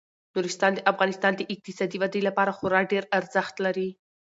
نورستان د افغانستان د اقتصادي ودې لپاره خورا ډیر ارزښت لري.